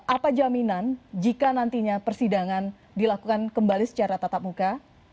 apa jaminan jika nantinya persidangan dilakukan kembali secara tatap muka